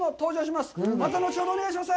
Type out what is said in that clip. また後ほどお願いします！